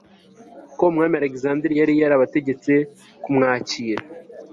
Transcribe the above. ko umwami alegisanderi yari yarabategetse kumwakira